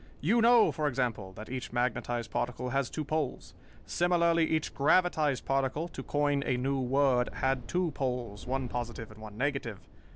You know, for example, that each magnetized particle has two poles. Similarly each gravitized particle, to coin a new word, had two poles, one positive and one negative.